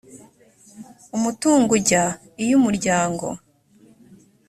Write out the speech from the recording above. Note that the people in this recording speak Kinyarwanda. umutungo ujya iyo umuryango